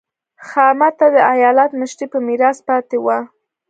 خاما ته د ایالت مشري په میراث پاتې وه.